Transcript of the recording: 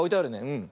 うん。